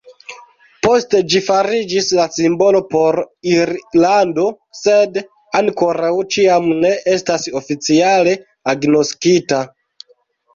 Poste ĝi fariĝis la simbolo por Irlando, sed ankoraŭ ĉiam ne estas oficiale agnoskita.